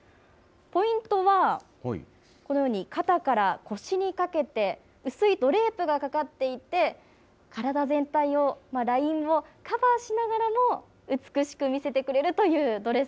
ポイントは、このように肩から腰にかけて薄いドレープがかかっていて、体全体をラインをカバーしながらも美しく見せてくれるというドレ